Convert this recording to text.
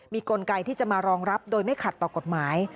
มีกลไกที่จะมารองรับโดยไม่ขัดต่อกฎหมาย